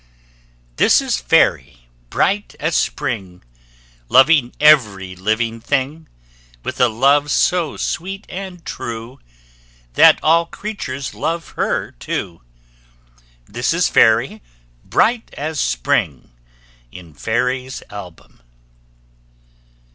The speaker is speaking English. This is Fairy, bright as Spring, Loving every living thing With a love so sweet and true, That all creatures love her too! This is Fairy, bright as Spring, IN FAIRY'S ALBUM.